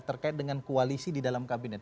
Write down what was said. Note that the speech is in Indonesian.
terkait dengan koalisi di dalam kabinet